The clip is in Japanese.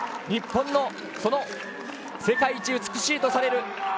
日本の世界一美しいとされる